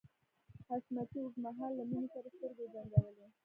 حشمتي اوږد مهال له مينې سره سترګې وجنګولې.